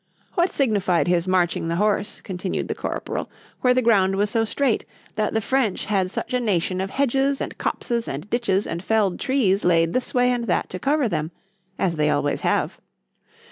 What signified his marching the horse, continued the corporal, where the ground was so strait, that the French had such a nation of hedges, and copses, and ditches, and fell'd trees laid this way and that to cover them (as they always have).